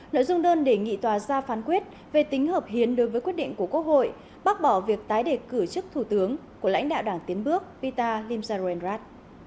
nội dung đơn đề nghị tòa ra phán quyết về tính hợp hiến đối với quyết định của quốc hội bác bỏ việc tái đề cử chức thủ tướng của lãnh đạo đảng tiến bước pita limsa renrat